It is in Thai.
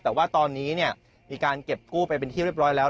แต่ว่าตอนนี้มีการเก็บกู้ไปเป็นที่เรียบร้อยแล้ว